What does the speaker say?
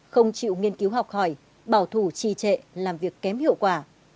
không chịu nghiên cứu học hỏi bảo thủ trì trệ làm việc kém hiệu quả